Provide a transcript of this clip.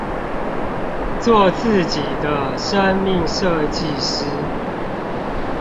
做自己的生命設計師